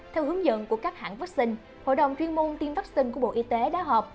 theo hướng dẫn của các hãng vaccine hội đồng chuyên môn tiêm vaccine của bộ y tế đã họp